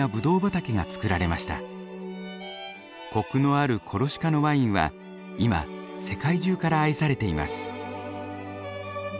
コクのあるコルシカのワインは今世界中から愛されています。